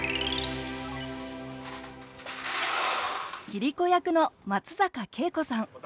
桐子役の松坂慶子さん。